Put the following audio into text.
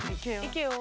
行けよ？